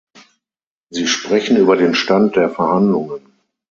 Sie sprechen über den Stand der Verhandlungen.